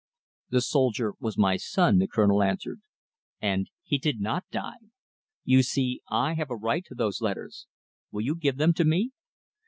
"The soldier was my son," the Colonel answered, "and he did not die. You see I have a right to those letters. Will you give them to me?"